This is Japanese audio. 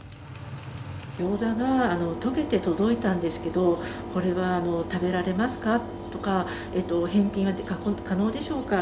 ギョーザがとけて届いたんですけど、これは食べられますか？とか、返品は可能でしょうか。